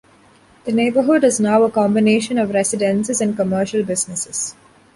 The neighborhood is now a combination of residences and commercial businesses.